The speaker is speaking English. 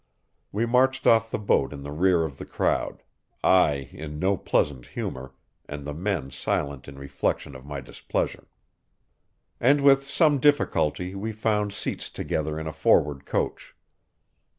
We marched off the boat in the rear of the crowd, I in no pleasant humor, and the men silent in reflection of my displeasure. And with some difficulty we found seats together in a forward coach.